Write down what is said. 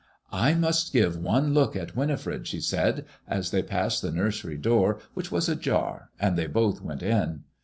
I must give one look at Winifred," she said, as they passed the nursery door, which was ajar, and they both went in.